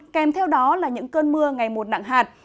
kèm theo đó là những cơn mưa ngày một nặng hạt